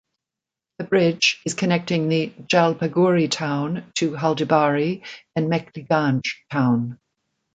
The bridge is connecting the Jalpaiguri town to Haldibari and Mekhliganj town.